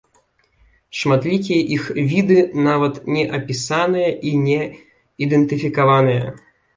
Шматлікія іх віды нават не апісаныя і не ідэнтыфікаваныя.